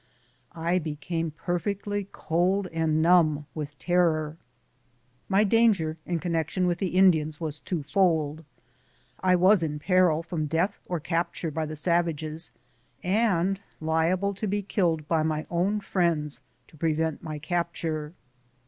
I became perfectly cold and numb with terror. My danger in connection with the Indians was twofold. I was in peril from death or capture by the savages, and liable to be iilled by my own friends to prevent my capture.